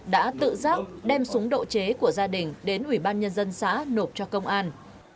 đã tự giác đem súng độ chế của gia đình đến ủy ban nhân dân xã nộp cho công an